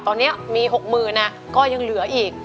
ตอนนี้มี๖๐๐๐ก็ยังเหลืออีก